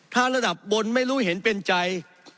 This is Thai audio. ถ้าระดับบนไม่รู้เห็นเป็นใจ